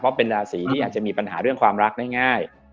เพราะเป็นราศีที่อาจจะมีปัญหาเรื่องความรักได้ง่าย